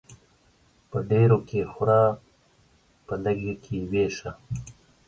په ډيري کې خوره ، په لږي کې ويشه.